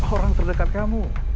orang terdekat kamu